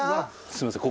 すいません。